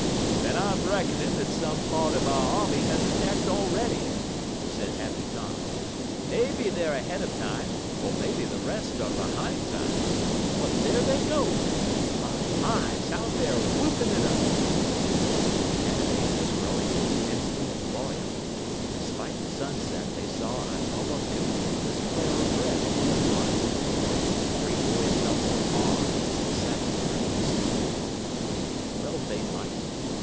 "Then I'm reckoning that some part of our army has attacked already," said Happy Tom. "Maybe they're ahead of time, or maybe the rest are behind time. But there they go! My eyes, how they're whooping it up!" The cannonade was growing in intensity and volume. Despite the sunset they saw an almost continuous flare of red on the horizon. The three boys felt some awe as they sat there and listened and looked. Well they might!